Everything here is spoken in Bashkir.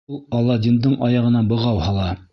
Ул Аладдиндың аяғына бығау һала.